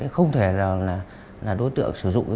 không thể là là đối tượng sử dụng cái